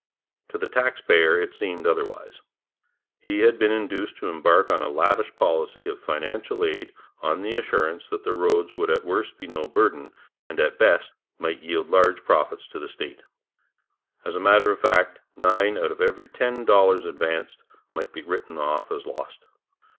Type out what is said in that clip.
To the taxpayer it seemed otherwise. He had been induced to embark on a lavish policy of financial aid on the assurance that the roads would at worst be no burden, and at best might yield large profits to the state. As a matter of fact, nine out of every ten dollars advanced might be written off as lost.